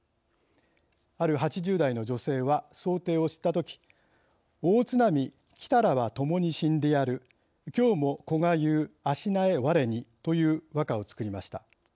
ある８０代の女性は想定を知ったとき「大津波来たらば共に死んでやる今日も息が言う足萎え吾に」という和歌を作りました。